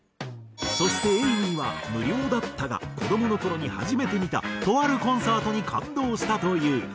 そしてＡＡＡＭＹＹＹは無料だったが子どもの頃に初めて見たとあるコンサートに感動したという。